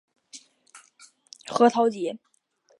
核桃街。